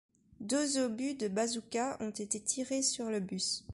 Deux obus de bazooka ont été tirés sur le bus.